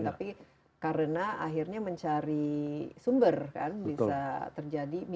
tapi karena akhirnya mencari sumber kan bisa terjadi